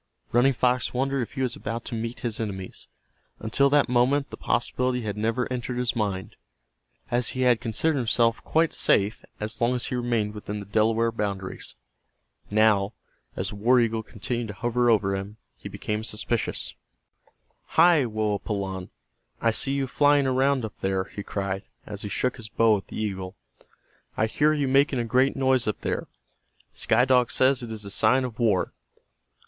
Running Fox wondered if he was about to meet his enemies. Until that moment the possibility had never entered his mind, as he had considered himself quite safe as long as he remained within the Delaware boundaries. Now, as the war eagle continued to hover over him, he became suspicious. "Hi, Woapalanne, I see you flying around up there," he cried, as he shook his bow at the eagle. "I hear you making a great noise up there. Sky Dog says it is a sign of war.